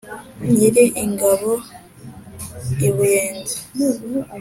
nyiri ingabo i buyenzi,